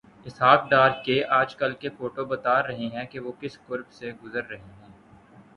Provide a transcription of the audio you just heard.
اسحاق ڈار کے آج کل کے فوٹوبتا رہے ہیں کہ وہ کس کرب سے گزر رہے ہیں۔